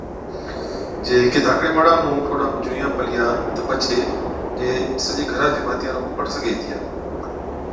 جي هيڪي ڌاڪڙي ٻاڙا نُون ٺوڏا ۾ جُوئان پلِيا تہ پڇي جي سجي گھرا چي ڀاتِيا نُون پڙ سِگھي هِتِيا